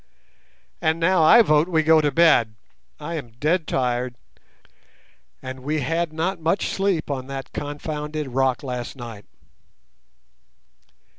And now I vote we go to bed. I am dead tired, and we had not much sleep on that confounded rock last night."